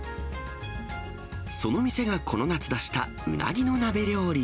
その店がこの夏出したうなぎの鍋料理。